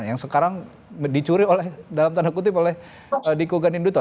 yang sekarang dicuri dalam tanda kutip oleh diko geng dan duto